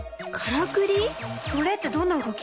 それってどんな動き？